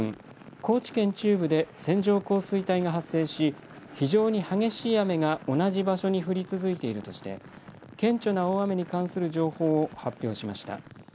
高知県中部で線状降水帯が発生し非常に激しい雨が同じ場所に降り続いているとして顕著な大雨に関する情報を発表しました。